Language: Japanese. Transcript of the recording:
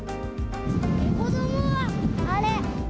子どもはあれ。